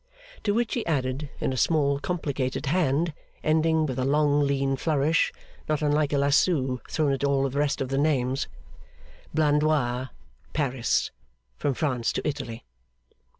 To which he added, in a small complicated hand, ending with a long lean flourish, not unlike a lasso thrown at all the rest of the names: Blandois. Paris. From France to Italy.